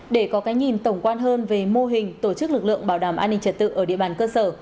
để có cái nhìn tổng quan hơn về mô hình tổ chức lực lượng bảo đảm an ninh trật tự ở địa bàn cơ sở